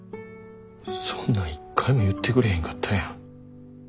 そんなん一回も言ってくれへんかったやん。